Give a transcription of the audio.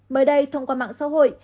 mới đây thông qua mạng xã hội